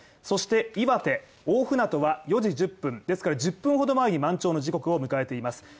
そして、岩手大船渡は４時１０分ですから１０分ほど前に満潮の時刻を迎えています。